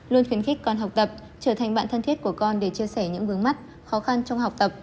luôn khuyến khích con học tập trở thành bạn thân thiết của con để chia sẻ những vướng mắt khó khăn trong học tập